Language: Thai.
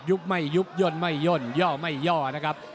ไม่ยุบย่นไม่ย่นย่อไม่ย่อนะครับ